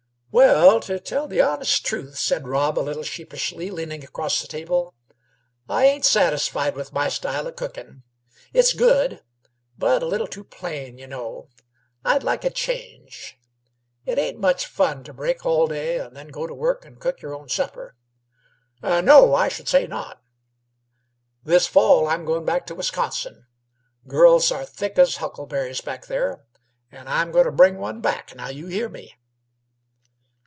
"Well, to tell the honest truth," said Rob, a little sheepishly, leaning across the table, "I ain't satisfied with my style o' cookin'. It's good, but a little too plain, y' know. I'd like a change. It ain't much fun to break all day, and then go to work an' cook y'r own supper." "No, I should say not." "This fall I'm going back to Wisconsin. Girls are thick as huckleberries back there, and I'm goin' t' bring one back, now you hear me."